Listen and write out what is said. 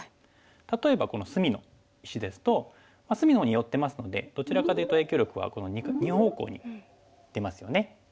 例えばこの隅の石ですと隅の方に寄ってますのでどちらかというと影響力はこの２方向に出ますよね。